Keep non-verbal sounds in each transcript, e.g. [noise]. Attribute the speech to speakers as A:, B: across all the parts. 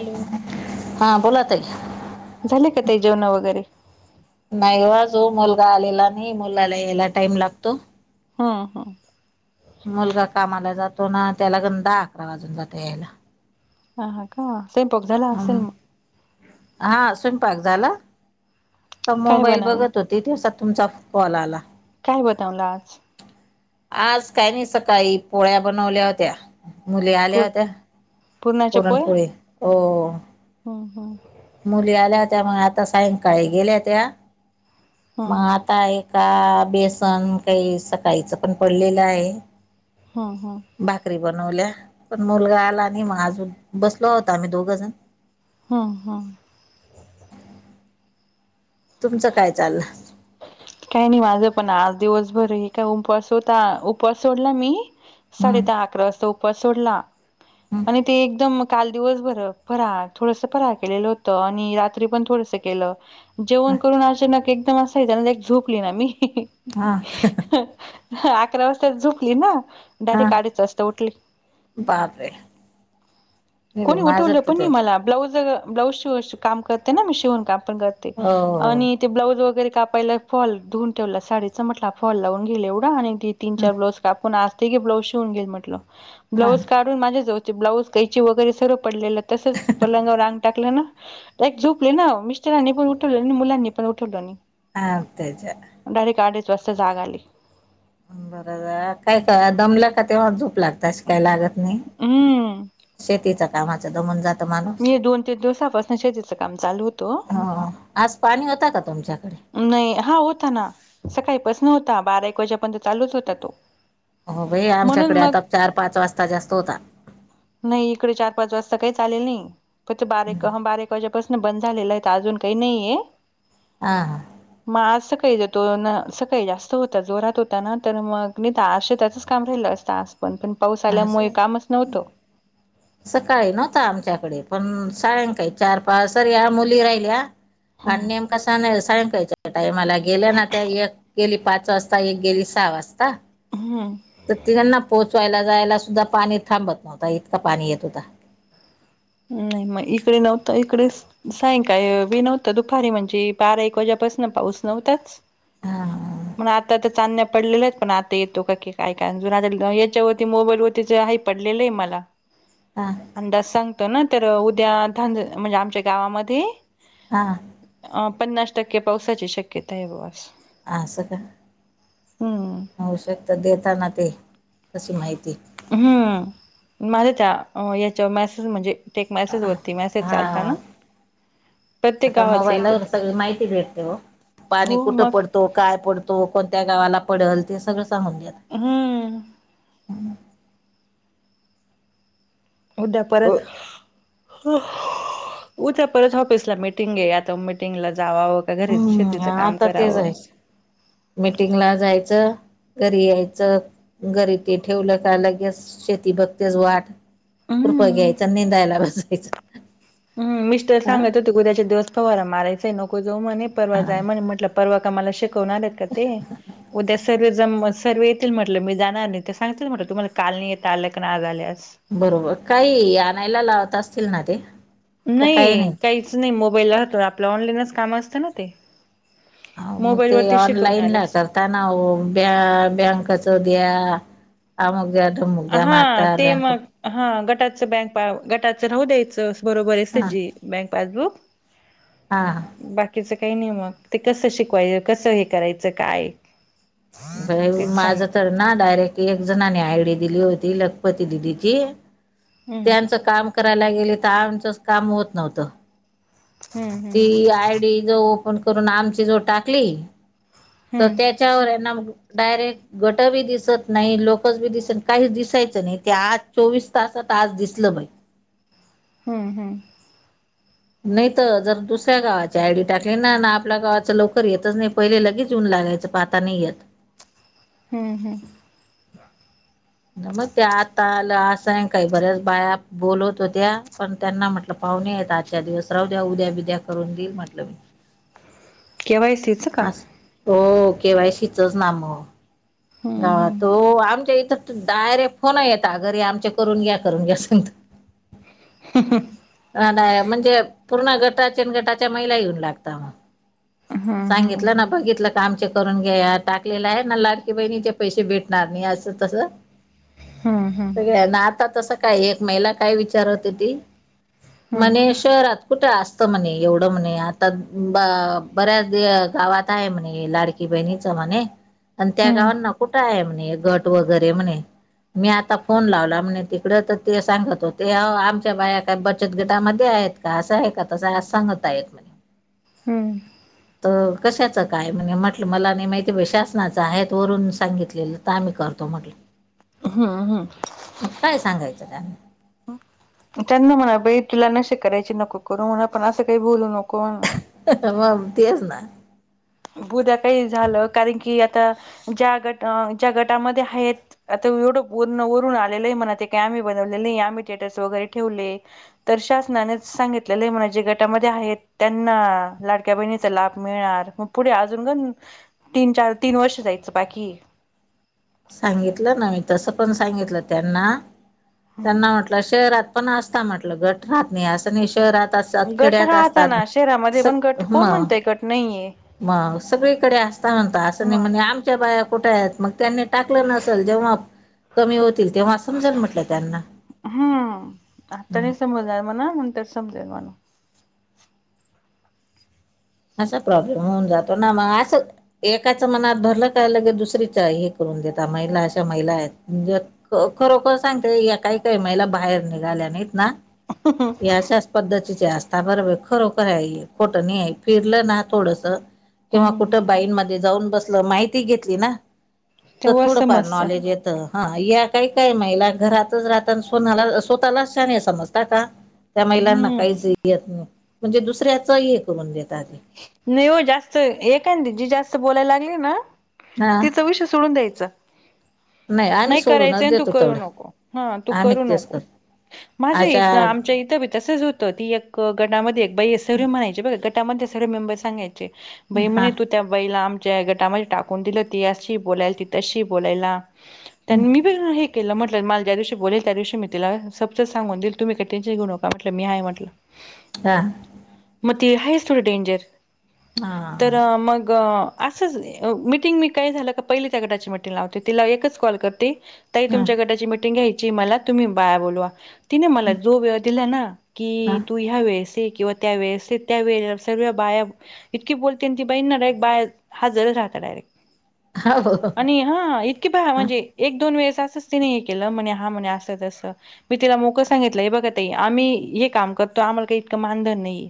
A: Hello
B: हा बोला ताई.
A: झाले का ताई जेवणं वगैरे.
B: नाही वो आजून मुलगा आलेला नाही, मुलाला यायला टाइम लागतो.
A: हम्म हम्म.
B: मुलगा कामाला जातो ना, त्याला गंदा अकरा वाजून जातं यायला.
A: ह हा का, स्वैपाक झाला असेल
B: हम्म
A: मग.
B: हा सैपाक झाला, तर
A: काय
B: मोबाईल
A: बनवलं
B: बघत हो. ते दिवसात तुमचा कॉल आला.
A: काय बतावला आज?
B: आज काय नाही, सकाळी पोळ्या बनवल्या होत्या. मुली आल्या
A: पू
B: होत्या, पुरणपोळी, हो.
A: हं हं.
B: मुली आल्या होत्या, मग आता सायंकाळी गेल्या त्या. मग
A: हम्म
B: आता ए काय बेसन काही सकाळीचं पण पडलेलं आहे.
A: हं हं.
B: भाकरी बनवल्या, पण मुलगा आला नाही मग अजून, बसलो होतो आम्ही दोघं जण.
A: हं हां.
B: तुमचं काय चाललं?
A: काही नाही, माझं पण आज दिवसभर आहे का उपवास होता, उपवास सोडला मी
B: हम्म
A: साडे दहा अकरा वाजता उपास सोडला, आणि
B: हम्म
A: ते एकदमऽ काल दिवस भर, फराळ थोडसं फराळ केलेलं होतं, आणि रात्री पण थोडसं केलं जेवण करून अचानक एकदम असायच ना एक झोपली ना मी,
B: हा,.
A: अकरा वाजताच झोपली ना.
B: हा
A: डायरेक्ट अडीच वाजता उठले.
B: बापरे हे बी
A: कोणी
B: माझं
A: उठवलं
B: तर
A: पण
B: ते
A: नाही मला. ब्लाउज, ब्लाऊज शीवन काम करते ना मी, शिवन काम पण करते,
B: हो हो
A: आणि ते ब्लाउज वगैरे काऽ पहिला एक फॉल धुवून ठेवला, साडीचा म्हटला फॉल लावून घिल एवढा, आणि ती तीन चार ब्लाऊज कापून आजऽ के ब्लाऊज शिवून घेल म्हटलं,
B: हा
A: ब्लाऊज का माझे जा ब्लाउज कैची वगैरे सगळ पडलेलं, तसच पलंगा वर आंग टाकलं ना. एक झोपले ना, मिस्टरांनी पण उठवलं नाही आणि मुलांनी पण उठवलं नाही.
B: हां, तच्या.
A: डायरेट आडीच वाजता जाग आली.
B: बर काय काय दमल्या. तेव्हाच झोप लागते, आशी काही लागत नाही,
A: हम्म.
B: शेतीच कामान दमुन जातं.
A: मी दोन ते दिवसापासून शेतीचं काम चालू होतं.
B: हो आज पाणी होतं का तुमच्याकडे?
A: नाही, हा होता ना, सकाळीपासन होता, बारा एक वाजेपर्यंत चालूच होता तो.
B: हो बाई,
A: म्हणून
B: आमच्याकडे
A: मग
B: आता चार पाच वाजता जास्त होता.
A: नाही, इकडे चार पाच वाजता काहीच आलेल नाही, प ते बारीक बारक वाजे. पसन बंद झालेला आहे, अजून काही आलेला नाहीय.
B: हां हां.
A: मग आज सकाळी जातो ना, सकाळी जास्त होता, जोरात होता ना तर मग. अशे त्याचच काम राहिलं असतं आज पण, पण पाऊस
B: हा
A: आल्यामुळे
B: असं
A: कामच नव्हतं.
B: सकाळी नव्हता आमच्याकडे, पण सायंकाळी चार पाच सरी या मुली राहिल्या. आणि नेमका सा सायंकाळच्या टाईमाला गेल्या ना त्या एक. गेली पाच वाजता एक, गेली सहा वाजता.
A: हम्म.
B: तर तिघांना पोचवायला जायला सुद्धा पाणी थांबत नव्हता, इतका पाणी येत होता.
A: नाही मग इकडे नव्हत इकडेच सायंकाळी नव्हतं दुपारी म्हणजे बारा एक वाजेपासून पाऊस नव्हताच.
B: हा
A: पण आता चांदण्या पडलेल्या आहेत पण आता येतो का की काय काय जून याच्यावरती मोबाईल वती आहे पडलेलं आहे मला ह
B: हा ह.
A: अंदाज सांगतो ना तर उद्या ध म्हणजे आमच्या गावामध्ये
B: हा.
A: अ पन्नास टक्के पावसाची शक्यता आहे बस
B: आ स का?
A: हम.
B: पावसाचं देताना मग ते तसं माहिती आहे.
A: हम्म माझ्या त्या याच्यावर मॅसेज म्हणजे- टेक मेसेज वरती मेसेज
B: हा
A: चालता ना प्रत्येक
B: आता
A: गावाचं येतं
B: मोबाईलवर
A: ते
B: सगळी माहिती भेटतय हो पाणी
A: हो
B: कुठं
A: मग
B: पडते तो काय पडतो कोणत्या गावाला पडल ते सगळं सांगून घ
A: हम उद्या परत उफ उद्या परत ऑफिसला मिटिंग घे आता मिटिंगला जावावं घरी
B: हम्म
A: शेतीच काम करावं
B: मीटिंग ला जायचं घरी यायचं घरी ते ठेवलं का लगेच शेती बघतेच वाट कुरप
A: हम्म
B: घ्यायचा निंदायला बसायचं.
A: ह मिस्टर
B: ह
A: सांगत होते क उद्याच्या दिवस पवारा मारायचाय नको जाऊ म्हणे परवा
B: हा
A: जाय म्हणे म्हटलं परवा मला शिकवणार आहेत का ते? उद्या सर्वजम सर्वे म्हंटलं मी जाणार नाही ते सांगतील म्हटलं तुम्हाला काल नाही यता आलं की ना, आल्यास.
B: बरोबर काही आणायला लावत असतील ना ते. का काही
A: नाही काहीच नाही मोबाईला तर आपलं ऑनलाईनच काम असतं ना ते.
B: मग
A: मोबाईल
B: ते
A: वरती
B: ऑनलाईन ला
A: शिकवणारच
B: करताना ओ ब्या बँकाच द्या. अमुक द्या तमुक द्या
A: हा ते
B: म्हाताऱ्या
A: मग
B: कडून.
A: हा, गटाचं बँक पा गटाचं राहू द्यायचं बरोबर आहेच
B: हा
A: जे बँक पासबुक.
B: हा हा,
A: बाकीचं नाही मग ते कसं शिकवायचं कसं करायचं कसं काय?
B: अ हा,
A: तेच
B: माझ
A: सांगते
B: तर ना डायरेक्ट एक जणने आयडी दिली होती लखपती दिदी ची.
A: हम्म
B: त्यांचं काम करायला गेले तर आमचंच काम होत नव्हतं.
A: हम्म हम्म
B: ती आय डी जो ओपन करून आमची जो टाकली तर त्या.
A: हम्म
B: त्याच्यावर नाव डयरेक्ट. गट बी दिसत नाही लोकच बी दिसत काही दिसायचं नाही ते आज चोवीस तासात आज दिसलं बाई.
A: हम हम,
B: नाही तर जर दुसऱ्या गावाची आयडी टाकली ना आपल्या गावाच लवकर येतच नाही पहिले लगेच येऊन लागायचं पान. आता नाही येत.
A: हम हम,
B: मग त्या आता आलं असंय सायंकाळी बऱ्याच बाया बोलवत होत्या पण त्यांना म्हटलं. पाहुणे आहेत आजच्या दिवस राहू द्या उद्या बिद्या करून देईल म्हटलं.
A: के. वाय. सी. चं का?
B: असं हो, के. वाय. सी च ना म.
A: हम्म
B: का तो
A: हम्म
B: आमच्या इथं डायरेक्ट फोन येत घरी आमच्या करून घ्या करून घ्या सगता.
A: ह्.. ह्.. [inaudible]
B: नाही म्हणजे पूर्ण गटाचेन गटाच्या महिला येऊन लागता मग.
A: हम्म हम्म
B: सांगितलं ना. बघितलं का आमचे करून घ्या टाकलेलं आहे ना लाड. की, बहिणीचे पैसे भेटणार नाही असं तसं.
A: हम हम,
B: ना, आता तसं काय एक महिला काय विचार होती?
A: हम्म
B: म्हणे शहरात. कुठे असत म्हणे एवढं म्हणे आता बा बऱ्याच या गावात हाय म्हणे ह्या लाडक. की, बहिणीच म्हणे अन् त्या
A: हम्म
B: गावांना कुठे आहे म्हणे गट वगैरे म्हणे. ''मी आता फोन लावला म्हणे तिकड तर ते सांगत होते. आमच्या बाया. का, बचत गटामध्ये आहेत का असं आहे का तस सांगत आहेत.
A: हम्म,
B: तर कशाचं काय म्हने म्हटलं मला नाही माहिती बाई शासनाचं हाय. वरून सांगितलेलं. तर करतो म्हटलं.
A: हा हा,
B: मग काय सांगायचं त्याना.
A: त्यांना म्हणा बाई तुला नसे करायचे नको करू म्हणा पण असं काही बोलू नको म्हणा.
B: मग तेच ना.
A: बुद्या काही झालं कारण की, आता ज्या गट ज्या गटामध्ये हायत. आता एवढं पूर्ण वरून आलेलं आहे. म्हणा ते काही आम्ही बनवले नाही आम्ही स्टेटस वगैरे ठेवले. तर शासनाने सांगितलेलं माझे गटामध्ये आहेत. त्यांना लाड''--'' क्या बहिणीचा लाभ मिळणार मग पुढे अजून कण तीन-चार तीन वर्ष जायचं बाकी.
B: सांगितलं ना मी तसं पण सांगितलं त्यांना त्यांना म्हटलं. ना, शहरात पण असता म्हटलं. गट राहत नाही असं नाही शहरात. असतात
A: गट
B: खेड्यात असतात.
A: राहताना शहरामध्ये पण गट
B: सं
A: कोण
B: मं
A: म्हणतय गट नाहीये
B: मं सगळीकडे असता म्हणता, असं नाही.
A: मग
B: म्हणे आमच्या बाया कुठे आहेत? मग त्यांनी टाकलं नसल. जेव्हा कमी होतील तेव्हा, समजल म्हटलं त्यांना.
A: हम्म, आता नाही समजणार म्हणा, नंतर समजेल म्हणा.
B: असा प्रॉब्लेम होऊन जातो ना, म असं एकाच मनात धरलं का, लगेच दुसरीच हे करून देता. महिला अशा महिला आहेत, म्हणजे ख खरोखर सांगते, या काही काही महिला बाहेर निघाल्या नाहीत ना
A: [inaudible]
B: हे अशाच पद्धतीच्या आसता बरोबरय. खरोखराय हे, खोटं नाहीये. फिरलं ना थोडसं किंवा
A: हम्म
B: कुठं बाईंमध्ये जाऊन बसलं, माहिती घेतली ना. तं
A: तेव्हा
B: थोडंफार
A: समजत
B: नॉलेज येतं. हा, या काही काही महिला, घरातच राहता न सोणाला स्वतःलाच शहाणे समजतात का. त्या महिलांना
A: हम्म
B: काहीच येत नाही. म्हणजे दुसऱ्याचं हे करून देता ते.
A: नाही हो जास्त. एखांदी जी जास्त बोलायला लागली ना
B: हा
A: तीचं विषय सोडून द्यायचा.
B: आम्ही
A: नाही करायचं
B: सोडूनच
A: नं, तू
B: देतो
A: करू
B: तेवढं
A: नको, ह, तू
B: आम्ही
A: करू
B: तेच
A: नको.
B: करतो
A: माझ्या
B: अच्छा
A: इथं, आमच्या इथं बी तसच होतं, ती एक गटामध्ये एक बाईये, सर्वे म्हणायची. बघा गटामध्ये सर्व मेंबर सांगायचे बाई
B: हा
A: म्हणे, तू त्या बाईला आमच्या गटामध्ये टाकून दिलं. ती अशी बोलायला, ती तशीये बोलायला त्यांन मी पण हे तिला म्हटलं, मला ज्या दिवशी बोलेल, त्या दिवशी मी तीला सपशेल सांगून देइल. तुम्ही काय टेन्शन घेऊ नका म्हटलं. मी आहे म्हटलं. [inaudible]
B: हा.
A: मग ती हायस थोडी डेंजर. तर
B: हा
A: मग असंच मिटिंग, मी काय झालं का, पहिली त्या गटाची मिटिंग लावते. तिला एकच कॉल करते ताई,
B: हा
A: तुमच्या गटाची मिटिंग घ्यायचीये मला, तुम्ही बाया बोलवा. तिने मला जो वेळ दिला ना, की तू ह्या वेळेस येकिंवा त्या वेळेस ये. त्या वेळे सर्व बाया इतकि बोलते ना ती बाईना, डायरेक्ट बाया हाजरच राहता डायरेक्ट.
B: हा, हो, हो.
A: आणि हा इतकीे भया म्हणजे एक दोन वेळेस असंच तिने हे केलं. म्हणे हा म्हणे असं तसं मी तिला मोकंळं सांगितलं, हे बघा ताई, आम्ही हे काम करतो, आम्हाला काही इतकं मानधन नाहीये.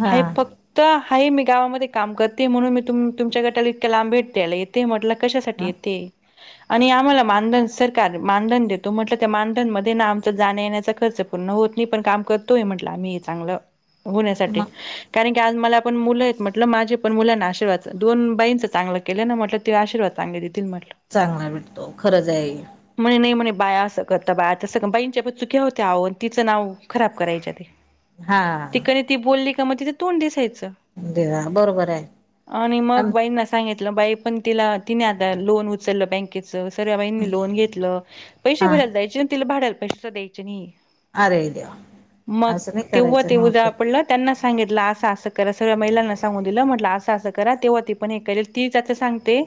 B: हा
A: हाये फक्त हाये मी गावामध्ये काम करतेये म्हणून मी तुम तुमच्या गटाला इतक्याल लांब भेटायला येते. म्हटलं कशासाठी
B: हा
A: येतेये. आणि आम्हाला मानधन सरकार मानधन देतो म्हटलं, त्या मानधनमधे ना आमचा जाण्या येण्याचा खर्च पूर्ण होत नही, पण काम करतोय म्हटलं आम्ही चांगलं होण्यासाठी.
B: मग
A: कारण की आज मलापण मूलंयेत म्हटलं, माझे पण मुलांना आशीर्वाद, दोन बाईंचं चांगलं केलं ना म्हटलं तेवा आशीर्वाद चांगले देतील म्हटलं.
B: चांगला भेटतो, खरंच आहे.
A: म्हणे नही म्हणे बाया असं करता, बाया तसं करता. बाईंच्या पण चुक्या होत्या आवो, आणि तिचं नाव खराब करायच्या. [inaudible]
B: हा
A: ती बोलली का मं तिचं तोंड दिसायचं,
B: देवा बरोबर आहे
A: आणि मग
B: आम
A: बाई ना सांगितलं बाई पण तिला तिने आता लोन उचललं बँक सर्व बाईनी लोन घेतलं, पैसे
B: हा
A: भरायला जायचे, न्स तिला भाड्याला पैसे सुद्धा पैशाच द्यायचे नाही
B: अरे देवा
A: मग
B: असं नाही
A: तेव्हा
B: करायचं
A: ते
B: नाही
A: उद्या
B: होते
A: पडला, त्यांना सांगितलं आज अस असं करा सगळ्या महीला ना सांगून दिलं म्हटलं असं असं करा तेव्हा ती पण हे तीचच सांगते.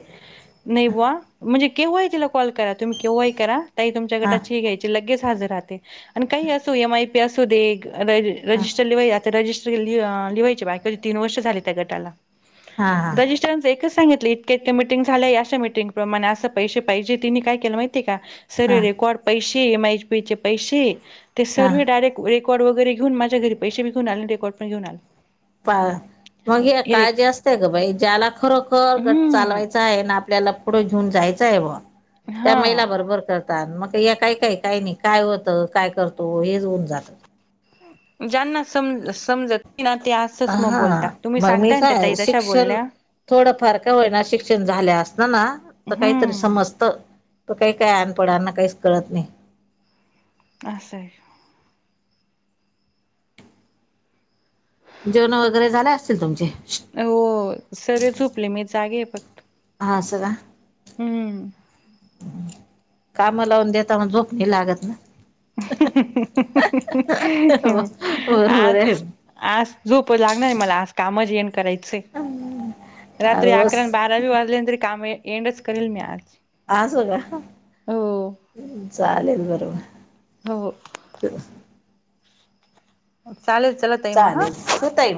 A: नाही बुवा म्हणजे केव्हा तिला कॉल करा तुम्ही केव्हा ही करा. ताई तुमच्या
B: हा
A: गटाची ही घ्यायची लगेच हजर राहते. आणी काहीही असू एम आय पी असू दे
B: हा
A: रजिस्टर लिवाय आता रजिस्टर लि लिवायचे बाय कधी तीन वर्ष झाले त्या गटाला.
B: हा हा
A: एकच सांगितलं इतक्या इतक्या झाल्याय अशा मिटिंग प्रमाणे असं पैसे पाहिजे तिने काय केलं माहितीय का? सर्व
B: हा
A: रेकॉर्ड पैसे एम आयच पी चे पैसे ते
B: हा
A: सर्व डायरेक्ट रेकॉड वगैरेऊन घेऊन माझ्या घरी पैसे बी घेउन आणि रेकॉर्ड घेऊ न.
B: प मग काळजी असते ग बाई ज्याला खरोखर गट
A: हम्म
B: चालवायचं आहे ना, आपल्याला पुढं घेऊन जायचं आहे बुवा त्या
A: हा
B: महिला बरोबर मग हे काय काही नाही होतं काय करतो हेचऊन जात.
A: ज्यांना सम समजत ते [unintelligible]
B: ह हा
A: बोलता तुम्ही
B: मग मी
A: सांगताय ना त्या ताई
B: काय
A: तशा
B: शिक्षण
A: बोलल्या
B: थोडंफार का होयना शिक्षण झाल्या असत ना तर काहीतरी
A: हम्म
B: समजतं. त काही काही अनपडांना काहीच कळत नाही.
A: असं
B: जेवण वगैरे झाले असतील तुमचे?
A: हो सगळे झोपले मी जागे फक्त.
B: हा असं
A: हम्म
B: कामा लावून देता मग झोप नाही लागत ना. होय होय.
A: आज आज झोप लागणार मला आज कामच येन करायचे रात्री
B: अस
A: अकरा आणि बारा रवीवार तरी काम एंडच करेल मी आज.
B: असो का
A: हो
B: चालेल बरोबर.
A: हो
B: ते [inaudible]
A: चालेल चालेल.
B: चालेल. हो ताई